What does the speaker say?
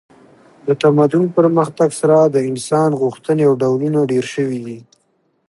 د تمدن پرمختګ سره د انسان غوښتنې او ډولونه ډیر شوي دي